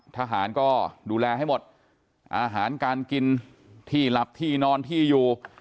ทหารก็ดูแลให้หมดอาหารการกินที่หลับที่นอนที่อยู่